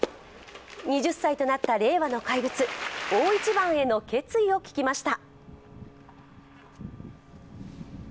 ２０歳となった令和の怪物、大一番への決意を聞きました。